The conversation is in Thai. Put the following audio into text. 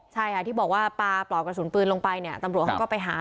ใช่ค่ะที่บอกว่าปลาปลอกกระสุนปืนลงไปเนี่ยตำรวจเขาก็ไปหา